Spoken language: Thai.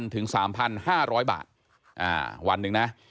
ถึง๓๕๐๐บาทวันหนึ่งนะ